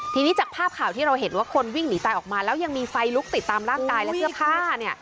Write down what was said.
ทีนี้จากภาพข่าวที่เราเห็นว่าคนวิ่งหนีตายออกมาแล้วยังมีไฟลุกติดตามร่างกายและเสื้อผ้าเนี่ย